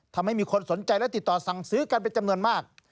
ทำให้มีคนสนใจและติดต่อสั่งซื้อกันเป็นจำนวนมาก